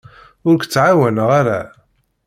Ur k-ttɛawaneɣ ara.